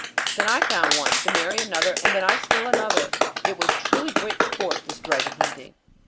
Then I found one; then Mary another, and then I still another. It was truly great sport, this dragon hunting.